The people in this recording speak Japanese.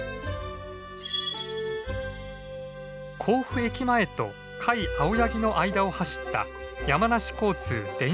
甲府駅前と甲斐青柳の間を走った山梨交通電車線。